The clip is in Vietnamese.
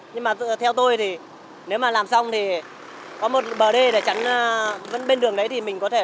nhưng mà theo tôi thì nếu mà làm xong thì có một bờ đê để chắn vẫn bên đường đấy thì mình có thể